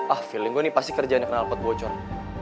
ah feeling gue nih pasti kerjaannya kena alpot bocor